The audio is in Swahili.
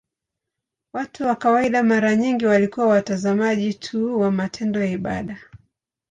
Watu wa kawaida mara nyingi walikuwa watazamaji tu wa matendo ya ibada.